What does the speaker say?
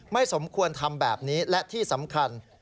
สมควรทำแบบนี้และที่สำคัญ